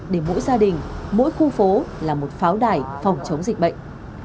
để mỗi gia đình mỗi khu phố là một pháo đài phòng chống dịch bệnh